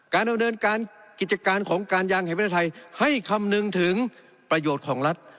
ดำเนินการกิจการของการยางแห่งประเทศไทยให้คำนึงถึงประโยชน์ของรัฐ